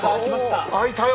お開いたよ！